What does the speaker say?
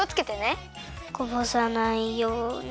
こぼさないように。